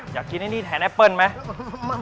อยากกินอันนี้แทนแอเปิล่ไหม